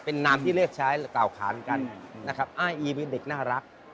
เป็นนามที่เลือกใช้เก่าขานกันอ้ายอีมีเด็กน่ารัก